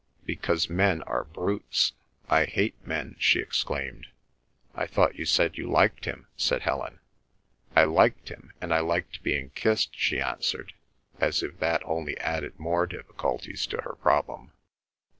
"Because men are brutes! I hate men!" she exclaimed. "I thought you said you liked him?" said Helen. "I liked him, and I liked being kissed," she answered, as if that only added more difficulties to her problem.